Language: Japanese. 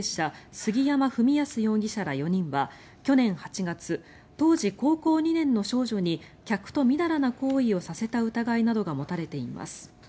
杉山史泰容疑者ら４人は去年８月当時、高校２年の少女に客とみだらな行為をさせた疑いなどが持たれています。